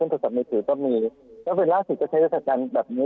ในศูนย์ก็มีถ้าเป็นล่าสิทธิ์ก็ใช้รัฐการณ์แบบนี้